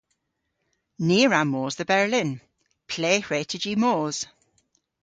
Ni a wra mos dhe Berlin. Ple hwre'ta jy mos?